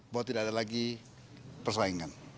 bahwa tidak ada lagi persaingan